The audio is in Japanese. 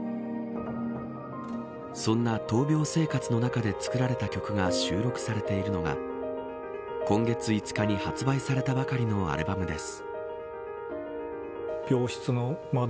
そんな闘病生活の中で作られた曲が収録されているのが今月５日に発売されたばかりのアルバムです。